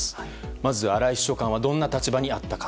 まず荒井秘書官はどんな立場にあったか。